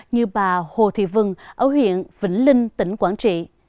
như bà hồ thị vân ở huyện vĩnh linh tỉnh quảng trị